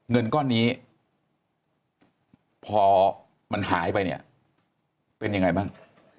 เงินก้อนนี้พอมันหายไปเนี่ยเป็นยังไงบ้าง